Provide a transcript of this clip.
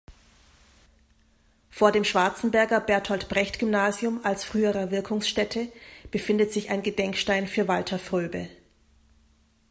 Vor dem Schwarzenberger Bertolt-Brecht-Gymnasium als früherer Wirkungsstätte befindet sich ein Gedenkstein für Walter Fröbe.